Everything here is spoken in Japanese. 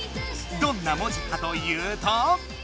どんな文字かというと。